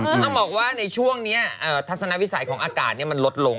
ต้องบอกว่าในช่วงนี้ทัศนวิสัยของอากาศมันลดลง